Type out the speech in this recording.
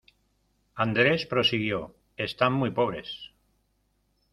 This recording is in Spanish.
Andrés prosiguió están muy pobres.